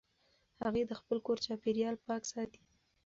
هغې د خپل کور چاپېریال پاک ساتي.